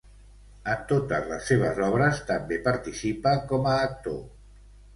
En totes les seves obres també participa com a actor.